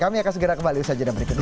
kami akan segera kembali saja berikutnya